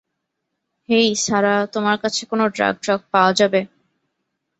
হেই Sarah, তোমার কাছে কোন ড্রাগ ট্রাগ পাওয়া যাবে?